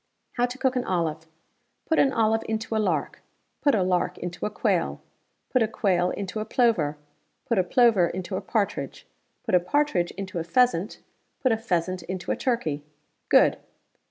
"How to cook an olive! Put an olive into a lark, put a lark into a quail; put a quail into a plover; put a plover into a partridge; put a partridge into a pheasant; put a pheasant into a turkey. Good.